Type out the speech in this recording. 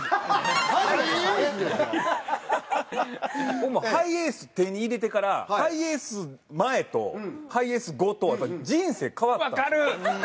僕もハイエース手に入れてからハイエース前とハイエース後とやっぱり人生変わったんですよ。